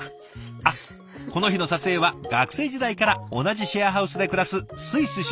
あっこの日の撮影は学生時代から同じシェアハウスで暮らすスイス出身のレアさん。